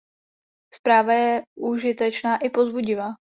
Zpráva je užitečná i povzbudivá.